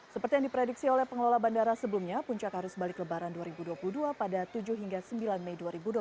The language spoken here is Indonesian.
seperti yang diprediksi oleh pengelola bandara sebelumnya puncak arus balik lebaran dua ribu dua puluh dua pada tujuh hingga sembilan mei dua ribu dua puluh